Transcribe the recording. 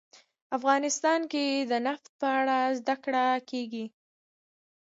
افغانستان کې د نفت په اړه زده کړه کېږي.